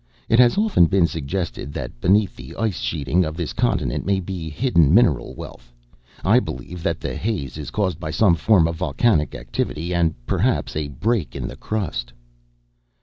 "It has often been suggested that beneath the ice sheeting of this continent may be hidden mineral wealth. I believe that the haze is caused by some form of volcanic activity, and perhaps a break in the crust."